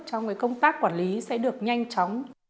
trong công tác quản lý sẽ được nhanh chóng